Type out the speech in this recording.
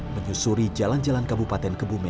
menyusuri jalan jalan kabupaten kebumen